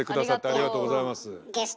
ありがとうございます。